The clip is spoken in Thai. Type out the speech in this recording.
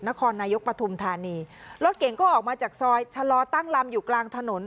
นครนายกปฐุมธานีรถเก่งก็ออกมาจากซอยชะลอตั้งลำอยู่กลางถนน